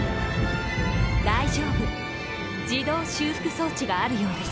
大丈夫自動修復装置があるようです。